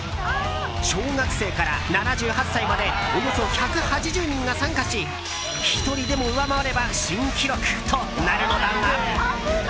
小学生から７８歳までおよそ１８０人が参加し１人でも上回れば新記録となるのだが。